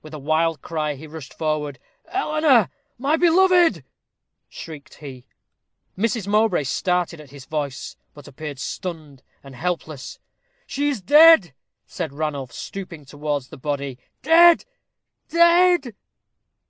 With a wild cry he rushed forward. "Eleanor, my beloved!" shrieked he. Mrs. Mowbray started at his voice, but appeared stunned and helpless. "She is dead," said Ranulph, stooping towards the body. "Dead dead!"